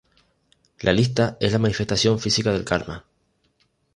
La lista es la manifestación física del karma.